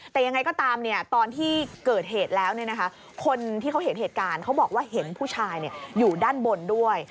แต่ยังไงก็ตามตอนที่เกิดเหตุแล้วคนที่เขาเห็นเหตุการณ์เขาบอกว่าเห็นผู้ชายอยู่ด้านบนด้วย